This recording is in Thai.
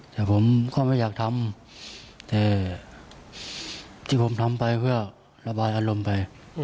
แต่ผมก็ไม่อยากทำแต่ที่ผมทำไปเพื่อระบายอารมณ์ไป